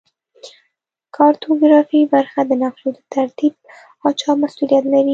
کارتوګرافي برخه د نقشو د ترتیب او چاپ مسوولیت لري